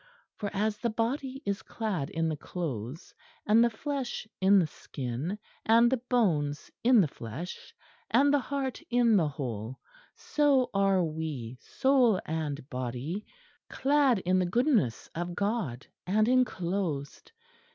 For as the body is clad in the clothes, and the flesh in the skin, and the bones in the flesh, and the heart in the whole, so are we, soul and body, clad in the Goodness of God, and enclosed.